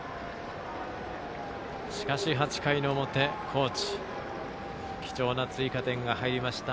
しかし８回表に、高知貴重な追加点が入りました。